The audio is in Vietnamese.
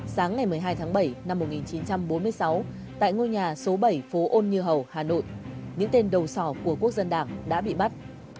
sáng ngày một mươi hai tháng bảy năm một nghìn chín trăm bốn mươi sáu tại ngôi nhà số bảy phố ôn như hầu hà nội những tên đầu sỏ của quốc dân đảng đã bị bắt